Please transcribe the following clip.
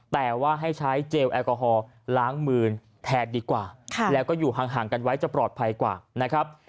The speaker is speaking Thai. แต่ว่าให้ใช้เจลแอลกอฮอลล้างมือแทนดีกว่าแล้วก็อยู่ห่างกันไว้จะปลอดภัยกว่านะครับ